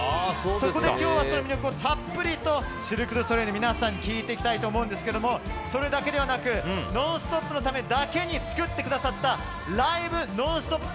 そこで今日はその魅力をたっぷりとシルク・ドゥ・ソレイユの皆さんに聞いていきたいと思うんですがそれだけではなく「ノンストップ！」のためだけに作ってくださったライブノンストップ